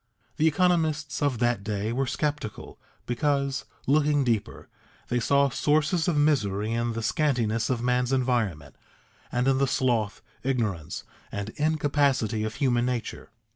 The economists of that day were sceptical, because, looking deeper, they saw sources of misery in the scantiness of man's environment, and in the sloth, ignorance, and incapacity of human nature.